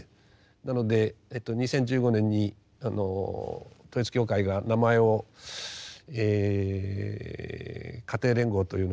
なので２０１５年に統一教会が名前を家庭連合というのに変えるという時にですね